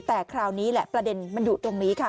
แต่คราวนี้แหละประเด็นมันอยู่ตรงนี้ค่ะ